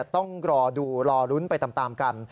ต้องรอดูรอลุ้นไปตามกัน